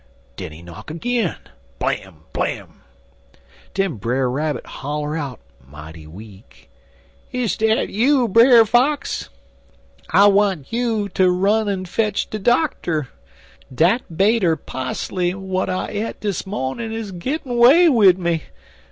Den he knock agin blam! blam! Den Brer Rabbit holler out mighty weak: 'Is dat you, Brer Fox? I want you ter run en fetch de doctor. Dat bait er pusly w'at I e't dis mawnin' is gittin' 'way wid me.